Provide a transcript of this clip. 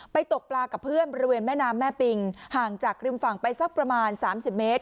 ตกปลากับเพื่อนบริเวณแม่น้ำแม่ปิงห่างจากริมฝั่งไปสักประมาณ๓๐เมตร